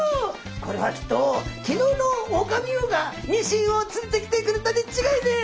これはきっと昨日のオオカミウオがニシンを連れてきてくれたに違いねえ。